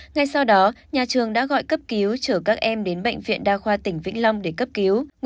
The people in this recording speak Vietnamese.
ngay sau đó nhà trường đã gọi cấp cứu chở các em đến bệnh viện đa khoa tỉnh vĩnh long để cấp cứu